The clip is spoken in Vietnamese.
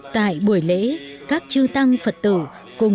tại buổi lễ các chư tăng phật tử